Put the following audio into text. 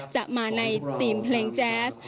จะมาในธีมเพลงแจ๊ส